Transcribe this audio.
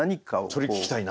それ聞きたいな。